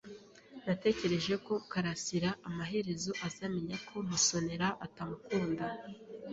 Natekereje ko Kalasira amaherezo azamenya ko Musonera atamukunda.